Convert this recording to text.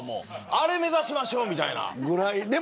アレ目指しましょうみたいな。